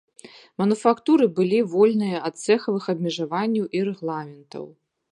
Мануфактуры былі вольныя ад цэхавых абмежаванняў і рэгламентаў.